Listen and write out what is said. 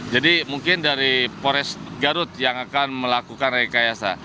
jadi mungkin dari pores garut yang akan melakukan rekayasa